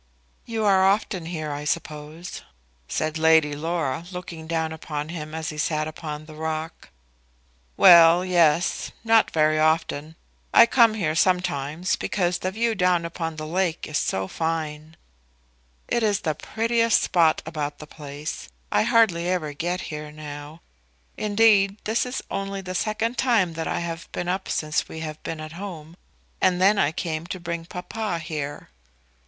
"You are often here, I suppose?" said Lady Laura, looking down upon him as he sat upon the rock. "Well; yes; not very often; I come here sometimes because the view down upon the lake is so fine." "It is the prettiest spot about the place. I hardly ever get here now. Indeed this is only the second time that I have been up since we have been at home, and then I came to bring papa here."